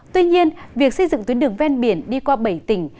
tuy nhiên việc xây dựng tuyến đường ven biển đi qua bảy tỉnh